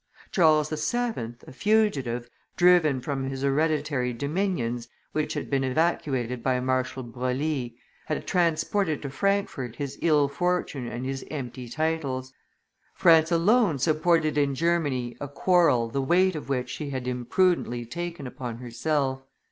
Charles VII., a fugitive, driven from his hereditary dominions, which had been evacuated by Marshal Broglie, had transported to Frankfurt his ill fortune and his empty titles. France alone supported in Germany a quarrel the weight of which she had imprudently taken upon herself.